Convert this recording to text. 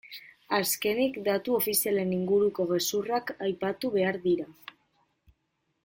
Azkenik, datu ofizialen inguruko gezurrak aipatu behar dira.